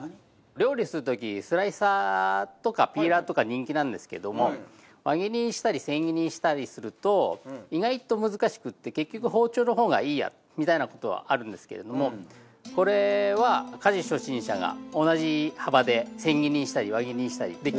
料理する時スライサーとかピーラーとか人気なんですけども輪切りにしたり千切りにしたりすると意外と難しくて結局包丁の方がいいやみたいな事はあるんですけれどもこれは家事初心者が同じ幅で千切りにしたり輪切りにしたりできる道具になります。